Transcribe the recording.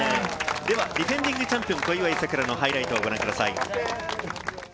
ディフェンディングチャンピオン・小祝さくらのハイライトをご覧ください。